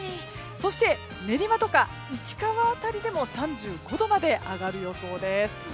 そして、練馬とか市川辺りでも３５度まで上がる予想です。